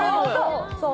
そう。